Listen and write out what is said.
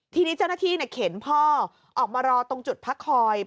ทีนี้เจ้าหน้าที่เข็นพ่อออกมารอตรงจุดพักคอย